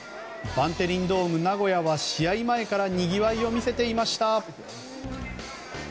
バンテリンドームナゴヤは試合前からにぎわいを見せていました。